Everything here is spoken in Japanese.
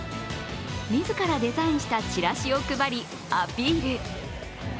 自らデザインしたチラシを配りアピール。